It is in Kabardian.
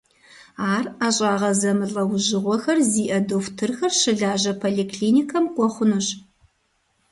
Ар ӀэщӀагъэ зэмылӀэужьыгъуэхэр зиӀэ дохутырхэр щылажьэ поликлиникэм кӀуэ хъунущ.